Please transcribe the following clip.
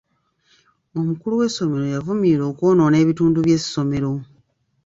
Omukulu w'essomero yavumirira okwonoona ebintu by'essomero.